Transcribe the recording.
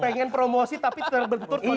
pengen promosi tapi terbetul betul konsepusi